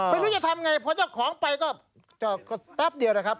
ไม่รู้จะทำไงพอเจ้าของไปก็แป๊บเดียวนะครับ